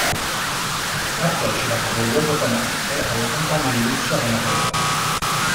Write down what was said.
Partecipa come luogotenente alla campagna di Russia con Napoleone.